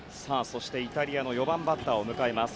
イタリアの４番バッターを迎えます。